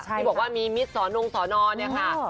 ที่บอกว่ามีมิสสอนุงสนเนี้ยค่ะอ๋อ